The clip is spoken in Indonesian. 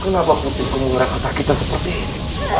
kenapa putriku menggerak kesakitan seperti ini